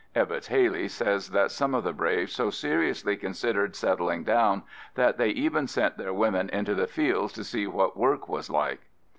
Evetts Haley says that some of the braves so seriously considered settling down that they even sent their women into the fields to see what work was like.